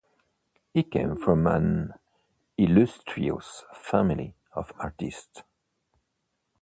He came from an illustrious family of artists.